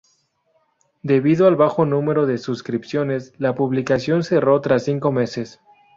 Debido al bajo número de suscripciones, La publicación cerró tras cinco meses.